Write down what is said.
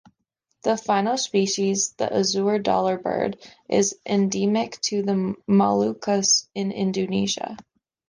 The final species, the azure dollarbird, is endemic to the Moluccas in Indonesia.